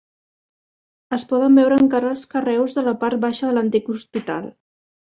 Es poden veure encara els carreus de la part baixa de l'antic hospital.